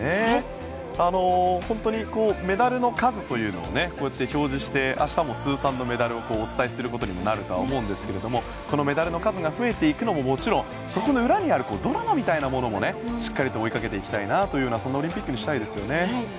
本当にメダルの数というのをこうやって表示して明日も通算のメダル数をお伝えすることになると思うんですけれどもメダルの数が増えていくのももちろん、その裏にあるドラマみたいなものもしっかり追いかけていきたいなというそんなオリンピックにしたいですね。